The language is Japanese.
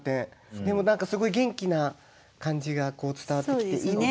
でも何かすごい元気な感じが伝わってきていいですね。